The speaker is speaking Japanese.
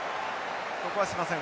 ここはしません。